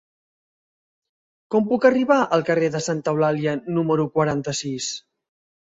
Com puc arribar al carrer de Santa Eulàlia número quaranta-sis?